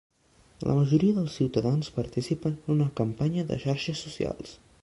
La majoria dels ciutadans participen en una campanya de xarxes socials.